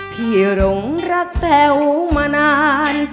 พี่หลงรักแก้วมานาน